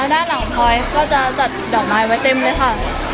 ด้านหลังพลอยก็จะจัดดอกไม้ไว้เต็มเลยค่ะ